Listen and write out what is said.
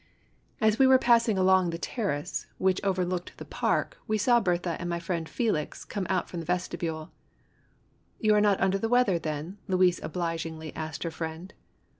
As we were passing along the terrace which over looked the park, we saw Berthe and my friend Felix come out from the vestibule. "You are not under the weather then?" Louise obligingly asked her friend.